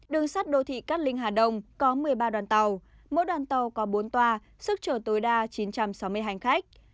đường sắt đô thị cát linh hà đông có một mươi ba đoàn tàu mỗi đoàn tàu có bốn toa sức trở tối đa chín trăm sáu mươi hành khách